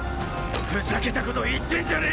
ふざけたこと言ってんじゃねぇ！